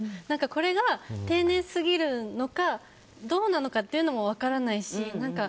これが丁寧すぎるのかどうなのかっていうのも分からないし。